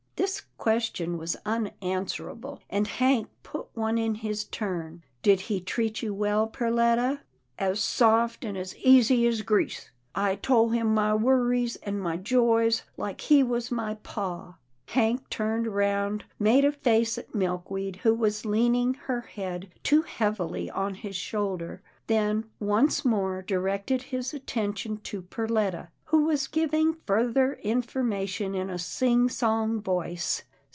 " This question was unanswerable, and Hank put one in his turn. " Did he treat you well, Perletta ?" PERLETTA MAKES AN EXPLANATION 303 " As soft an' as easy as grease. I tole him my worries an' my joys, like he was my pa." Hank turned round, made a face at Milkweed who was leaning her head too heavily on his shoul der, then once more directed his attention to Per letta, who was giving further information in a sing song voice.